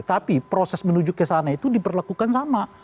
tapi proses menuju ke sana itu diperlakukan sama